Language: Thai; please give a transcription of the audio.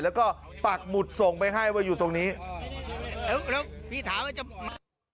แล้วก็ปักหมุดส่งไปให้ว่าอยู่ตรงนี้แล้วแล้วพี่ถามว่าจะหมดไหม